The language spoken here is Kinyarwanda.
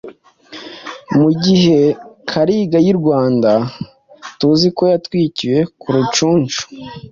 mugihe Kalinga y’i Rwanda tuziko yatwikiwe ku Rucunshu.